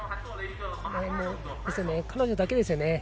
彼女だけですよね。